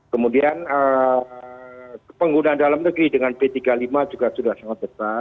kemudian penggunaan dalam negeri dengan p tiga puluh lima juga sudah sangat besar